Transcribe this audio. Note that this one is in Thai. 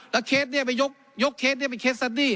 แล้วเคสเนี่ยไปยกยกเคสเนี่ยไปเคสทัศน์ดี้